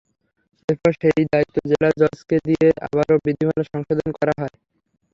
এরপর সেই দায়িত্ব জেলা জজকে দিয়ে আবারও বিধিমালা সংশোধন করা হয়।